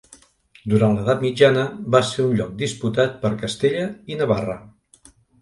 Durant l'edat mitjana va ser un lloc disputat per Castella i Navarra.